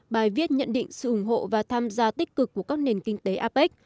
bài viết nhận định sự ủng hộ và tham gia tích cực của các nền kinh tế apec